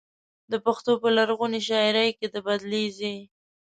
د پښتو په لرغونې شاعرۍ کې د بدلې ځای.